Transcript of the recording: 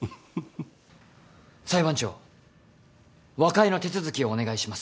裁判長和解の手続きをお願いします。